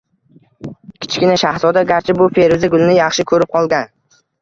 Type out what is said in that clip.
Kichkina shahzoda, garchi bu feruza gulni yaxshi ko‘rib qolgan